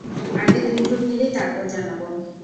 আগে দুই ঢোক গিলি, তারপর জানাবো।